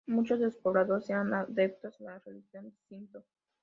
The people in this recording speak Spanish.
Muchos de los pobladores eran adeptos a la religión shinto.